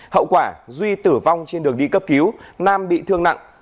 hậu quả duy tử vong trên đường đi cấp cứu nam bị thương nặng